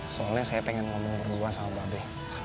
soalnya saya pengen ngomong berdua sama babe